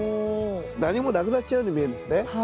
何もなくなっちゃうように見えるんですね。